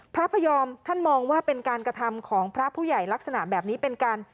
พระพยอมท่านมองว่าเป็นการกระทำของพระผู้ใหญ่ลักษณะแบบนี้เป็นการ